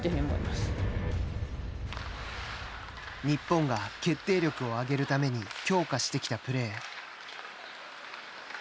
日本が決定力を上げるために強化してきたプレー。